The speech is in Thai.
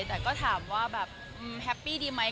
แต่ก็ถามว่าแบบแฮปปี้ดีไหม